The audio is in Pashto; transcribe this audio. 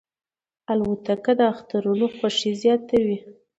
الوتکه د اخترونو خوښي زیاتوي.